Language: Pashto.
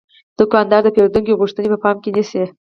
دوکاندار د پیرودونکو غوښتنې په پام کې نیسي.